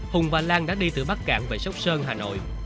hùng và lan đã đi từ bắc cạn về sóc sơn hà nội